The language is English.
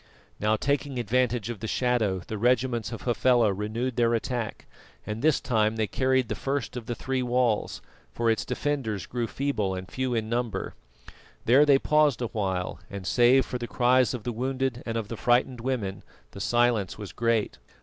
Now, taking advantage of the shadow, the regiments of Hafela renewed their attack, and this time they carried the first of the three walls, for its defenders grew feeble and few in number. There they paused a while, and save for the cries of the wounded and of frightened women, the silence was great.